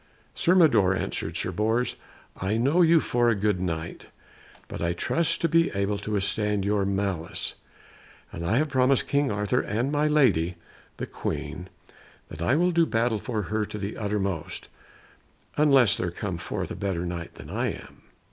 "Sir Mador," answered Sir Bors, "I know you for a good Knight, but I trust to be able to withstand your malice; and I have promised King Arthur and my Lady the Queen that I will do battle for her to the uttermost, unless there come forth a better Knight than I am."